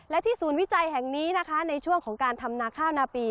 และที่ศูนย์วิจัยแห่งนี้นะคะในช่วงของการทำนาข้าวนาปี